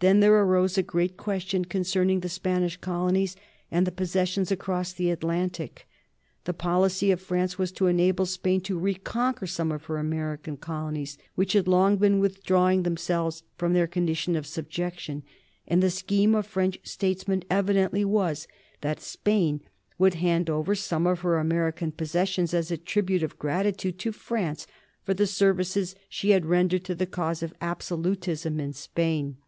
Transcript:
Then there arose a great question concerning the Spanish colonies and possessions across the Atlantic. The policy of France was to enable Spain to reconquer some of her American colonies which had long been withdrawing themselves from their condition of subjection, and the scheme of French statesmen evidently was that Spain would hand over some of her American possessions as a tribute of gratitude to France for the services she had rendered to the cause of absolutism in Spain.